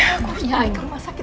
aku harus pergi ke rumah sakit